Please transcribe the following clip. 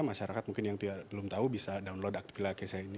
masyarakat mungkin yang belum tahu bisa download aktif saya ini